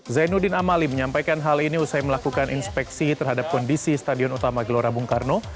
zainuddin amali menyampaikan hal ini usai melakukan inspeksi terhadap kondisi stadion utama gelora bung karno